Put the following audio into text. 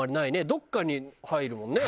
どこかに入るもんね。